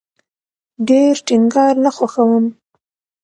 ډیر ټینګار نه خوښوم